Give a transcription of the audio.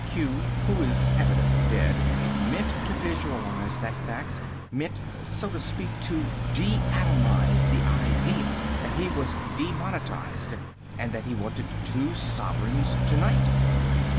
Q, who is evidently dead, meant to visualise that fact, meant, so to speak, to deatomise the idea that he was demonetised, and that he wanted two sovereigns to night."